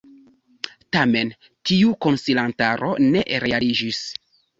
Tamen tiu konsilantaro ne realiĝis.